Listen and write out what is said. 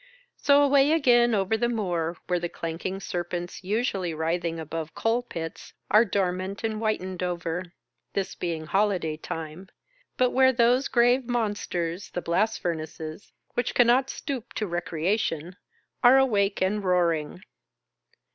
So, away again over the moor, where the clanking serpents usually writhing above coal pits, are dormant and whitened over — this being holiday time — but where those grave monsters, the blast furnaces, which can not stoop to recreation, are awake and roar ing.